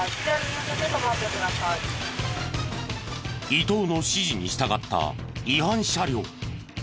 伊東の指示に従った違反車両。